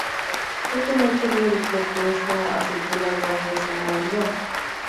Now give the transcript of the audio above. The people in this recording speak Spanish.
Fue el primer periódico puesto a circular bajo esta modalidad.